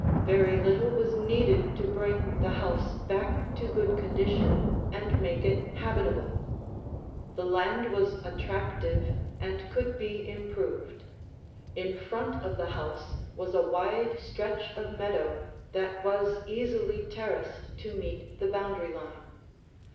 Very little was needed to bring the house back to good condition and make it habitable. The land was attractive and could be improved. In front of the house was a wide stretch of meadow that was easily terraced to meet the boundary line.